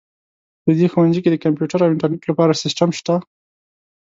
په دې ښوونځي کې د کمپیوټر او انټرنیټ لپاره سیسټم شته